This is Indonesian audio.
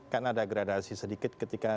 kan ada gradasi sedikit ketika